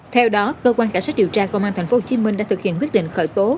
theo đó cơ quan cảnh sát điều tra công an tp hcm đã thực hiện quyết định khởi tố